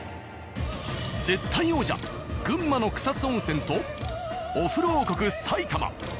絶対王者群馬の草津温泉とお風呂王国埼玉。